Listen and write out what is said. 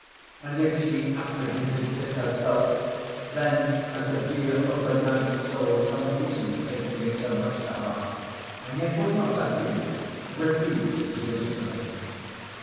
And, if she apprehended this herself, then has the dear over nice soul some reason for taking it so much to heart; and yet would not, I think, refuse to legitimate.